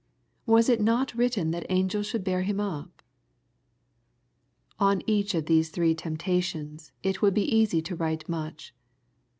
Was it not written that *^ angels should bear Him up ?" On each of these three temptations it would be easy to write much.